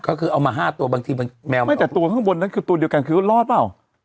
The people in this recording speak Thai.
ก็คือเอามา๕ตัวบางทีบางแมวไม่แต่ตัวข้างบนนั้นคือตัวเดียวกันคือรอดเปล่า